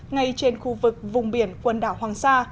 ngay trên khu vực vùng biển quần đảo hoàng sa